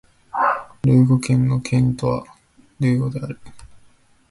ルーゴ県の県都はルーゴである